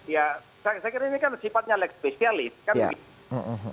ya saya kira ini kan sifatnya lekspesialis kan